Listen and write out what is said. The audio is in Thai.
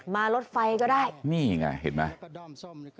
รถไฟก็ได้นี่ไงเห็นไหม